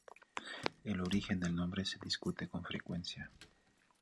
El origen del nombre se discute con frecuencia.